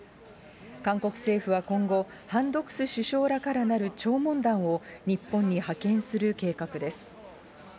韓国政府は今後、ハン・ドクスしゅちょうらからなる弔問団を、日本に派遣する計画です。